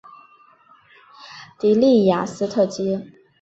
的里雅斯特街。